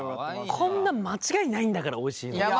こんなん間違いないんだからおいしいのは。